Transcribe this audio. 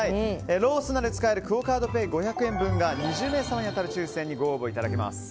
ローソンなどで使えるクオ・カードペイ５００円分が２０名様に当たる抽選にご応募いただけます。